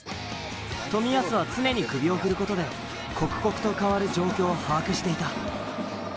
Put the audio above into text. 冨安は常に首を振ることで刻々と変わる状況を把握していた。